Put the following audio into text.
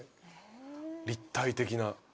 立体的な。